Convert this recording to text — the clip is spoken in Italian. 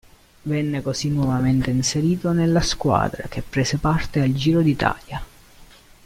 Venne così nuovamente inserito nella squadra che prese parte al Giro d'Italia.